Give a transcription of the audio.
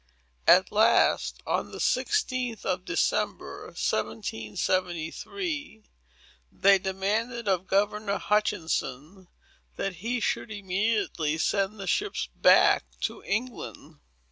At last, on the 16th of December, 1773, they demanded of Governor Hutchinson, that he should immediately send the ships back to England.